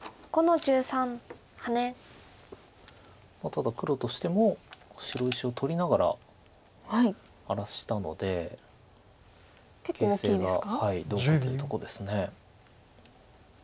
ただ黒としても白石を取りながら荒らしたので形勢がどうかというとこです。